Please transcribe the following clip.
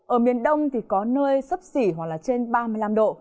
ở miền đông thì có nơi sấp xỉ hoặc là trên ba mươi năm độ